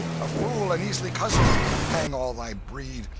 a fool and easily cozened hang all thy breed!